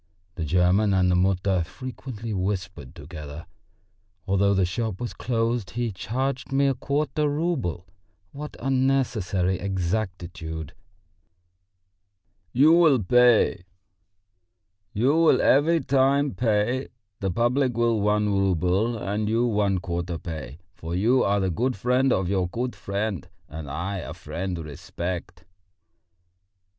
The German and the Mutter frequently whispered together. Although the shop was closed he charged me a quarter rouble! What unnecessary exactitude! "You will every time pay; the public will one rouble, and you one quarter pay; for you are the good friend of your good friend; and I a friend respect...."